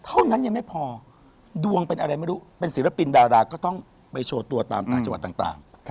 เท่านั้นยังไม่พอดวงเป็นอะไรไม่รู้เป็นศิลปินดาราก็ต้องไปโชว์ตัวตามต่างจังหวัดต่าง